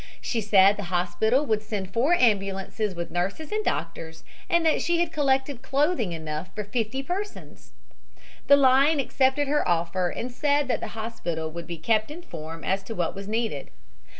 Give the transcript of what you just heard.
She said the hospital would send four ambulances with nurses and doctors and that she had collected clothing enough for fifty persons. The line accepted her offer and said that the hospital would be kept informed as to what was needed.